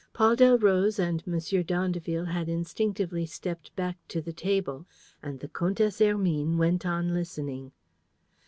Paul Delroze and M. d'Andeville had instinctively stepped back to the table. And the Comtesse Hermine went on listening.